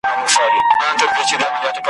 خوب لیدلئ مي بیګا دئ، ګل نګاره ګوندي را سې.